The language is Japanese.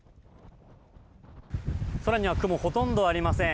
空には雲はほとんどありません。